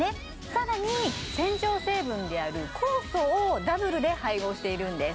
さらに洗浄成分である酵素をダブルで配合しているんです